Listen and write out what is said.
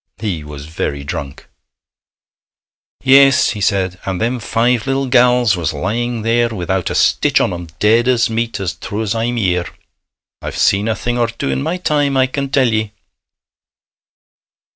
He was very drunk. 'Yes,' he said, 'and them five lil' gals was lying there without a stitch on 'em, dead as meat; 's 'true as I'm 'ere. I've seen a thing or two in my time, I can tell ye.'